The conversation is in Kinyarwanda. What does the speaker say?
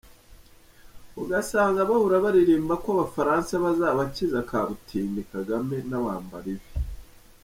Ugasanga bahora baririmba ko Abafaransa bazabakiza Kabutindi Kagame n’abambari be.